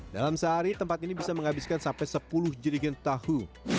dalam sehari tempat ini bisa menghabiskan sampai sepuluh jiringan tahu